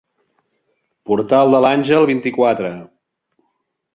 Portal de l'Àngel, vint-i-quatre.